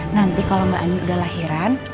nanti kalau mbak ani udah lahiran